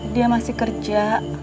dia masih kerja